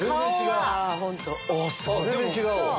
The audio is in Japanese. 全然違う。